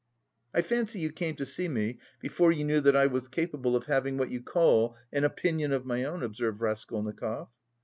"I fancy you came to see me before you knew that I was capable of having what you call an opinion of my own," observed Raskolnikov.